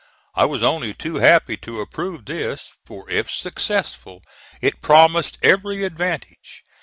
I was only too happy to approve this; for if successful, it promised every advantage.